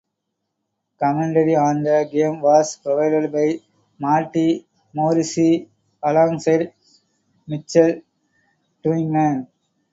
Commentary on the game was provided by Marty Morrissey alongside Michael Duignan.